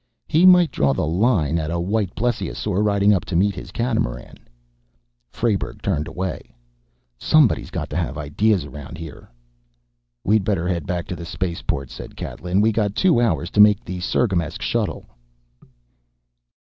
"He might draw the line at a white plesiosaur riding up to meet his catamaran." Frayberg turned away. "Somebody's got to have ideas around here...." "We'd better head back to the space port," said Catlin. "We got two hours to make the Sirgamesk shuttle."